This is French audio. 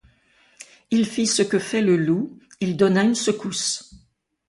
Il fit ce que fait le loup, il donna une secousse.